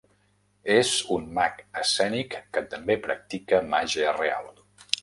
És un mag escènic que també practica màgia real.